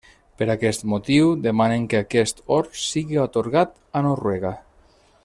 Per aquest motiu demanen que aquest or sigui atorgat a Noruega.